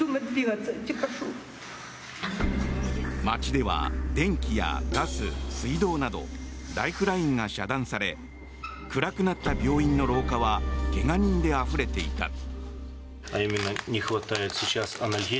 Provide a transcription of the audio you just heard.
街では電気やガス、水道などライフラインが遮断され暗くなった病院の廊下は怪我人であふれていた。